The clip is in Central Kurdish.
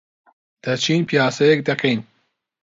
دەچین پیاسەیەک دەکەین.